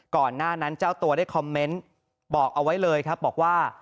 ก่อนหน้านั้นเจ้าตัวได้คอมเมนต์บอกเอาไว้เลยครับบอกว่า